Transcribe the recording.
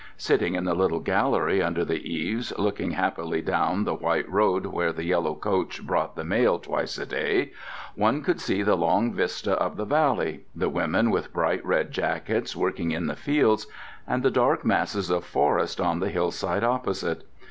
Sitting in the little gallery under the eaves, looking happily down the white road where the yellow coach brought the mail twice a day, one could see the long vista of the valley, the women with bright red jackets working in the fields, and the dark masses of forest on the hillside opposite.